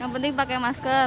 yang penting pakai masker